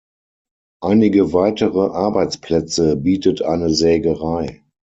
Einige weitere Arbeitsplätze bietet eine Sägerei.